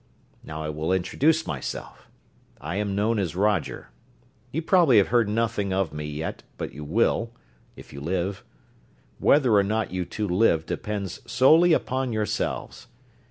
Now I will introduce myself. I am known as Roger. You probably have heard nothing of me yet but you will if you live. Whether or not you two live depends solely upon yourselves.